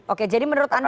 oke jadi menurut anda